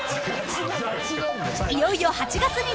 ［いよいよ８月に突入］